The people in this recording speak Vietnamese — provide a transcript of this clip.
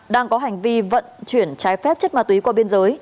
đang có hành vi vận chuyển trái phép chất ma túy qua biên giới